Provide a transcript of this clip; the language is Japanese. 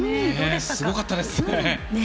すごかったですね。